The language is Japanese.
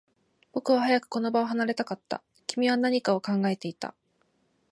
僕は早くこの場を離れたかった。君は何かを考えていた。